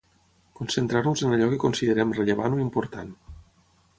concentrar-nos en allò que considerem rellevant o important